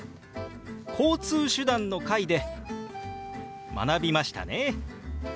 「交通手段」の回で学びましたね。